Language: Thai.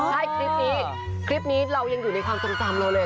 ใช่คลิปนี้คลิปนี้เรายังอยู่ในความทรงจำเราเลย